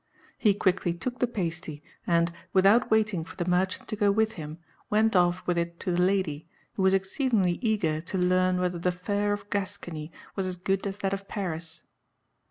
He quickly took the pasty, and, without waiting for the merchant to go with him, went off with it to the lady, who was exceedingly eager to learn whether the fare of Gascony was as good as that of Paris.